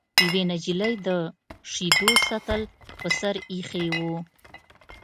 یوې نجلۍ د شیدو سطل په سر ایښی و.